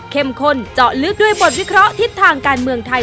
ข้นเจาะลึกด้วยบทวิเคราะห์ทิศทางการเมืองไทย